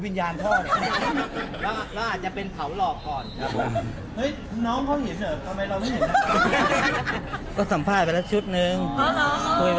ถ้าใครจะร้องไห้ก็ต้องเดินออกไปเลย